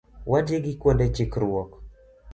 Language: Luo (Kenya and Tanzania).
Wati gi kuonde chikruok